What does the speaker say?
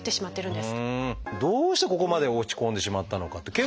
どうしてここまで落ち込んでしまったのかっていう。